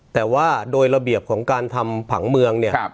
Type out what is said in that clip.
แต่ว่าโดยระเบียบของการทำผังเมืองเนี่ย